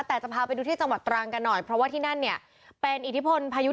แต่จะพาไปดูที่จังหวัดตรางกันหน่อยเพราะว่าที่นั่นเนี่ย